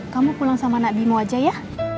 kamu pulang sama nabi mu aja ya